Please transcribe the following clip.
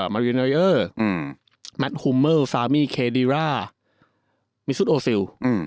มารินเรอร์แมทฮูมเมอร์ซาวมี่เคดีร่ามิซุดโอซิล